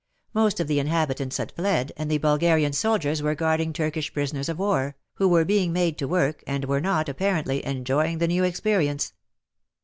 Most of the inhabitants had fled, and the Bulgarian soldiers were guarding Turkish prisoners of war, who were being made to work, and were not, apparently, enjoying the new experience.